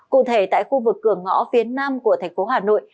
cụ thể tại khu vực cửa ngõ phía nam của thành phố hà nội